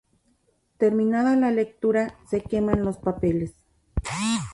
Terminada la lectura, se queman los papeles.